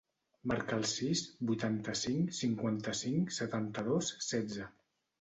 Marca el sis, vuitanta-cinc, cinquanta-cinc, setanta-dos, setze.